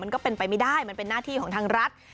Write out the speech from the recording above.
ก็เป็นไปไม่ได้มันเป็นหน้าที่ของทางรัฐ